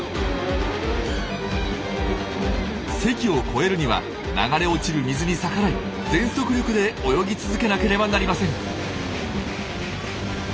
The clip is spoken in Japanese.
堰を越えるには流れ落ちる水に逆らい全速力で泳ぎ続けなければなりません。